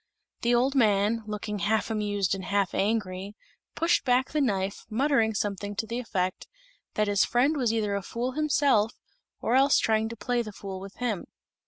The old man, looking half amused and half angry, pushed back the knife, muttering something to the effect that his friend was either a fool himself, or else trying to play the fool with him.